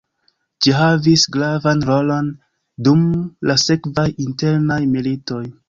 Ĝi havis gravan rolon dum la sekvaj internaj militoj.